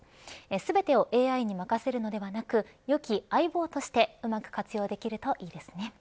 全てをＡＩに任せるのではなく良き相棒としてうまく活用できるといいですね。